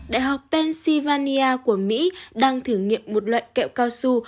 đại học pennsylvania của mỹ đang thử nghiệm một loại kẹo cao su